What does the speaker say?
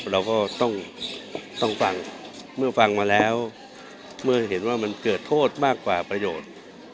เราก็ต้องฟังเมื่อฟังมาแล้วเมื่อเห็นว่ามันเกิดโทษมากกว่าประโยชน์